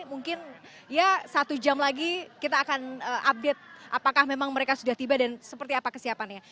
mungkin ya satu jam lagi kita akan update apakah memang mereka sudah tiba dan seperti apa kesiapannya